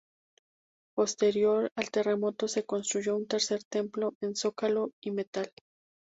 Posterior al terremoto se construyó un tercer templo en zócalo y metal.